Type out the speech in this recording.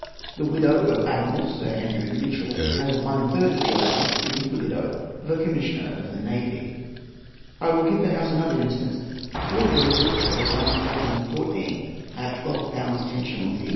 The widow of Admiral Sir Andrew Mitchell has one third of the allowance given to the widow of a Commissioner of the Navy. I will give the House another instance. Four daughters of the gallant Captain Courtenay have 12£. 10s.